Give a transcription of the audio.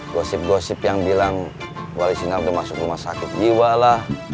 gosip gosip yang bilang wali sinap udah masuk rumah sakit jiwa lah